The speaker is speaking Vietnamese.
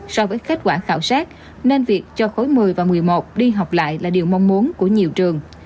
so với kết quả khảo sát nên việc cho khối một mươi và một mươi một đi học lại là điều mong muốn của nhiều trường